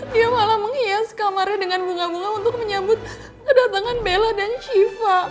dia malah menghias kamarnya dengan bunga bunga untuk menyambut kedatangan bella dan shiva